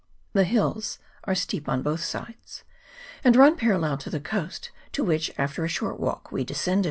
The hills are steep on both sides, and run parallel to the coast, to which, after a short walk, we de scended.